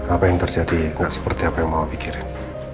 apa yang terjadi gak seperti apa yang mau pikirin